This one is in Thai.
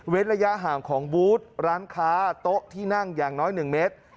ระยะห่างของบูธร้านค้าโต๊ะที่นั่งอย่างน้อย๑เมตร